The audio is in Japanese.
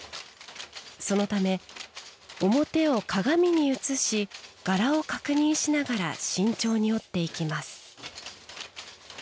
そのため、表を鏡に映し柄を確認しながら慎重に織っていきます。